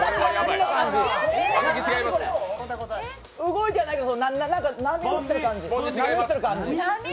動いてはないけど、波打ってる感じ。